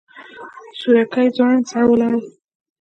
سورکی ځوړند سر ولاړ و.